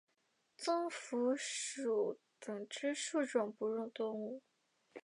棕蝠属等之数种哺乳动物。